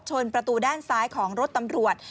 ประตูด้านซ้ายของรถตำรวจ